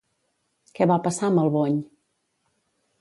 Què va passar amb el bony?